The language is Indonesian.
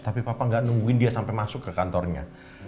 tapi papa nggak nungguin dia sampai masuk ke kantornya